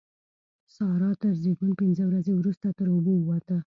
سارا تر زېږون پينځه ورځې روسته تر اوبو ووته.